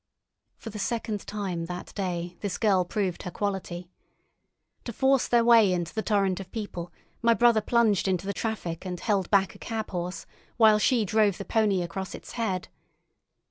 For the second time that day this girl proved her quality. To force their way into the torrent of people, my brother plunged into the traffic and held back a cab horse, while she drove the pony across its head.